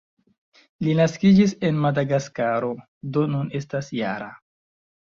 Li naskiĝis en Madagaskaro, do nun estas -jara.